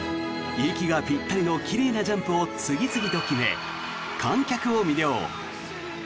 息がぴったりの奇麗なジャンプを次々と決め観客を魅了。